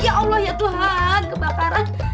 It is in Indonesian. ya allah ya tuhan kebakaran